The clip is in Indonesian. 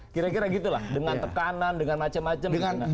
kira kira gitu lah dengan tekanan dengan macem macem